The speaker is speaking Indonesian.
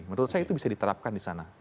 menurut saya itu bisa diterapkan di sana